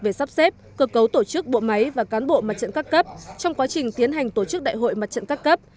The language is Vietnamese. về sắp xếp cơ cấu tổ chức bộ máy và cán bộ mặt trận các cấp trong quá trình tiến hành tổ chức đại hội mặt trận các cấp